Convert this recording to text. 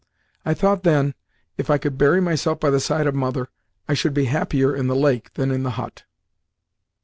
I thought then, if I could bury myself by the side of mother, I should be happier in the lake than in the hut."